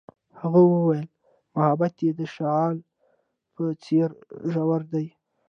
هغې وویل محبت یې د شعله په څېر ژور دی.